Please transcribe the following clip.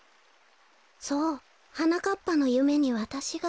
そうはなかっぱのゆめにわたしが。